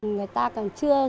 người ta còn chưa